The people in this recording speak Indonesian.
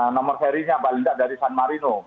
nomor serinya paling tidak dari san marino